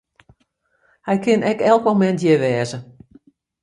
Hy kin ek elk momint hjir wêze.